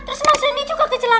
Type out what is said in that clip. terus mas randy juga kecelakaan